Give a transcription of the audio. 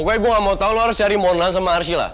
pokoknya gue gak mau tau lo harus nyari mona sama arsy lah